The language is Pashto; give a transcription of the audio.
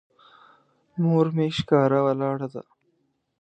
مور مې ښکاره ولاړه ده.